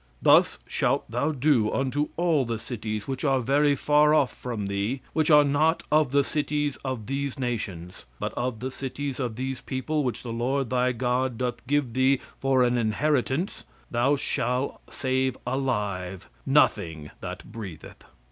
Thus shalt thou do unto all the cities which are very far off from thee, which are not of the cities of these nations. But of the cities of these people which the Lord thy God doth give thee for an inheritance, thou shall save alive nothing that breatheth."